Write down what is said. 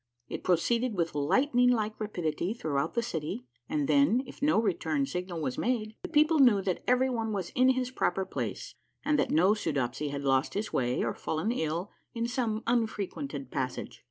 It pro ceeded with lightning like rapidity throughout the city, and then, if no return signal was made, the people knew that every one was in his proper place ; that no Soodopsy had lost his way or fallen ill in some unfrequented passage.